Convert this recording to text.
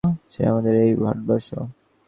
সেই আমাদের এই ভারতবর্ষ!